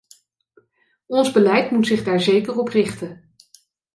Ons beleid moet zich daar zeker op richten.